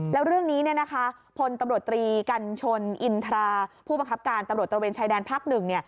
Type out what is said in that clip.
แล้วเรื่องนี้เนี่ยนะคะพลตำรวจตรีกัญชนอินทราผู้บังคับการตำรวจตระเวนชายแดนภาคหนึ่ง